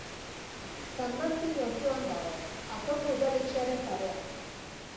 San Martin auzoan dago, Ataungo udaletxearen parean.